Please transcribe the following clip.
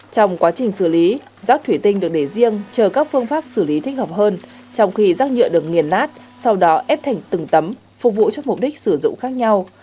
trong quá trình xử lý rác thủy tinh được để riêng chờ các phương pháp xử lý thích hợp hơn trong khi rác nhựa được nghiền nát sau đó ép thành từng tấm phục vụ cho mục đích sử dụng khác nhau